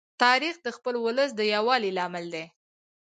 تاریخ د خپل ولس د یووالي لامل دی.